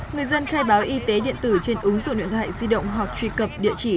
người dân khai báo y tế điện tử trên ứng dụng điện thoại di động hoặc truy cập địa chỉ